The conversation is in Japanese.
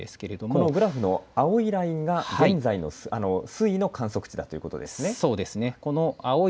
このグラフの青いラインが現在の水位の観測地帯ということです。